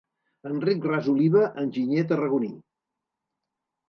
Enric Ras Oliva enginyer tarragoní